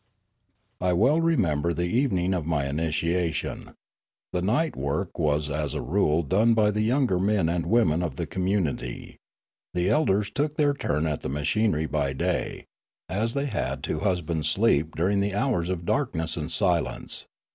I well remember the evening of my initiation. The night work was as a rule done by the younger men and women of the community; the elders took their turn at the machinery by day, as they had to husband sleep during the hours of darkness and silence.